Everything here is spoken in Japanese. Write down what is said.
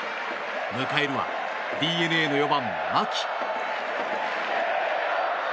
迎えるはＤｅＮＡの４番、牧。